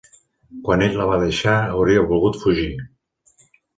Quan ell la va deixar, hauria volgut fugir.